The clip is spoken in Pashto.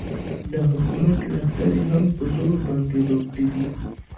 د حکومت لښکرې هم په زرو باندې روږدې دي.